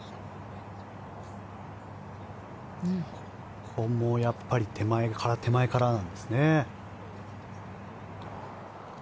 ここもやっぱり手前からなんですね。